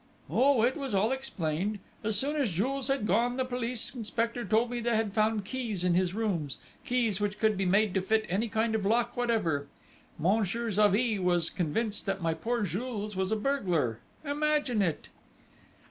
"Oh, it was all explained! As soon as Jules had gone, the police inspector told me that they had found keys in his rooms, keys which could be made to fit any kind of lock whatever. Monsieur Xavié was convinced that my poor Jules was a burglar imagine it!"